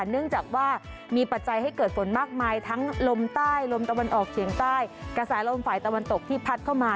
เนื่องจากว่ามีปัจจัยให้เกิดฝนมากมายทั้งลมใต้ลมตะวันออกเฉียงใต้กระแสลมฝ่ายตะวันตกที่พัดเข้ามา